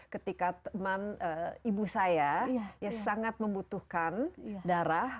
ketika teman ibu saya sangat membutuhkan darah